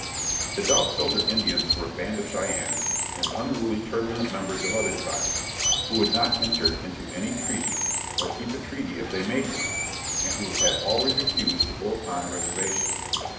The Dog Soldier Indians were a band of Cheyennes and unruly, turbulent members of other tribes, who would not enter into any treaty, or keep a treaty if they made one, and who had always refused to go upon a reservation.